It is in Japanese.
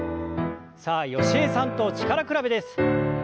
さあ吉江さんと力比べです。